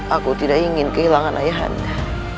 aku tidak ingin kehilangan ayah anda